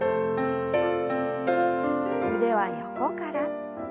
腕は横から。